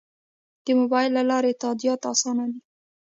د موبایل له لارې تادیات اسانه دي؟